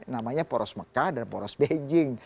namanya poros mekah dan poros beijing